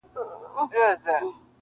پښتانه چي له قلم سره اشنا کړو-